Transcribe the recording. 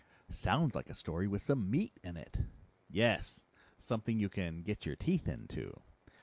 "Sounds like a story with some meat in it." "Yes! Something you can get your teeth into.